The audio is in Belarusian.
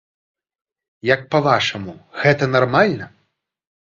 Як па-вашаму, гэта нармальна?